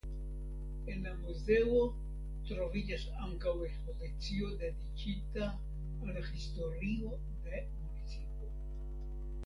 En la muzeo troviĝas ankaŭ ekspozicio dediĉita al la historio de municipo.